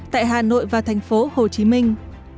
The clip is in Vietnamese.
tại hà nội và thành phố hồ chí minh